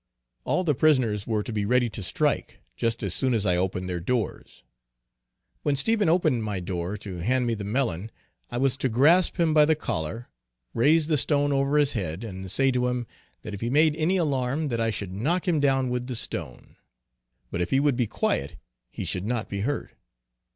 All the prisoners were to be ready to strike, just as soon as I opened their doors. When Stephen opened my door to hand me the melon, I was to grasp him by the collar, raise the stone over his head, and say to him, that if he made any alarm that I should knock him down with the stone. But if he would be quiet he should not be hurt.